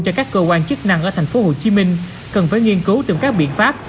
cho các cơ quan chức năng ở tp hcm cần phải nghiên cứu từng các biện pháp